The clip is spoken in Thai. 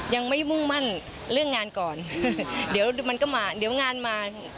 ยังไม่มุ่งมั่นเรื่องงานก่อนเดี๋ยวมันก็มาเดี๋ยวงานมา